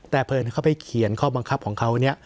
แต่เผินเขาไปเขียนข้อบังคับของเขาเนี่ย